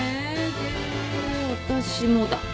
で私もだ。